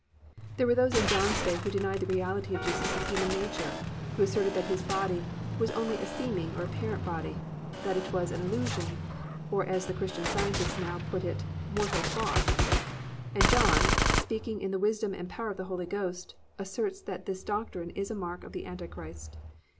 "+ There were those in John's day who denied the reality of Jesus' human nature, who asserted that His body was only a seeming or apparent body, that it was an illusion, or as the Christian Scientists now put it, "mortal thought," and John, speaking in the wisdom and power of the Holy Ghost, asserts that this doctrine is a mark of the Anti Christ.